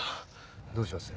どうします？